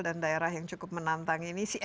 dan daerah yang cukup menantang ini si